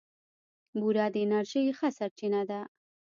بوره د انرژۍ ښه سرچینه ده.